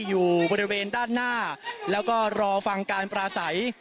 อยู่บริเวณด้านหน้าแล้วก็รอฟังการปราศัย